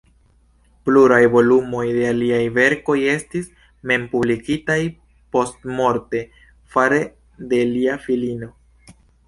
Pluraj volumoj de liaj verkoj estis mem-publikigitaj postmorte fare de lia filino.